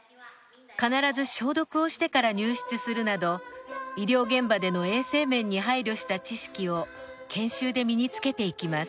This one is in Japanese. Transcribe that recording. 必ず消毒をしてから入室するなど医療現場での衛生面に配慮した知識を研修で身につけていきます。